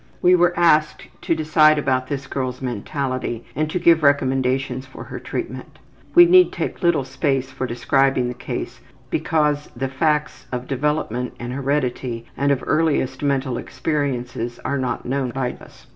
We were asked to decide about this girl's mentality and to give recommendations for her treatment. We need take little space for describing the case because the facts of development and heredity and of earliest mental experiences are not known by us.